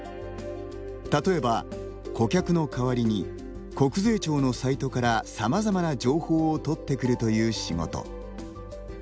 たとえば、顧客の代わりに国税庁のサイトから、さまざまな情報をとってくるという仕事。